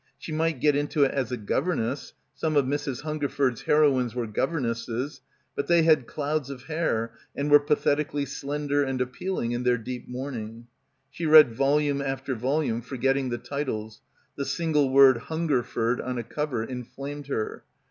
She might get into it as a governess — some of Mrs. Hungerford's heroines were governesses — but they had clouds of hair and were patheti cally slender and appealing in their deep mourn ing. She read volume after volume, forgetting the titles — the single word 'Hungerford' on a cover inflamed her.